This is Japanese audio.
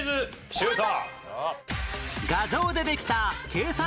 シュート！